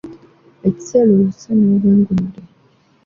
Ekiseera, oluse n’obwebungulule